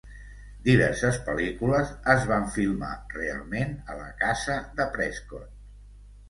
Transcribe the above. Diverses pel·lícules es van filmar realment a la casa de Prescott.